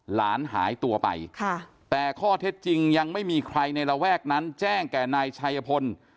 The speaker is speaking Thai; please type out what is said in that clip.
หลานหายตัวไปค่ะแต่ข้อเท็จจริงยังไม่มีใครในระแวกนั้นแจ้งแก่นายชัยพล